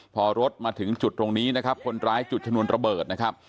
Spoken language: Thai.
พอรถมาถึงจุดตรงนี้นะครับคนร้ายจุดชนวนระเบิดนะครับ